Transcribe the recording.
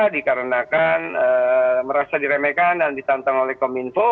dikarenakan merasa diremehkan dan ditantang oleh kominfo